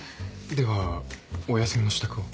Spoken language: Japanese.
ではお休みの支度を。